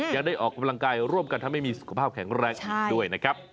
ยังได้ออกกำลังกายร่วมกันทำให้มีสุขภาพแข็งแรงอีกด้วยนะครับ